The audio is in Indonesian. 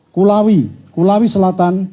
kulawi kulawi selatan